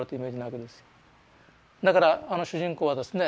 だからあの主人公はですね